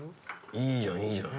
いいじゃんいいじゃん！